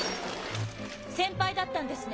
先輩だったんですね。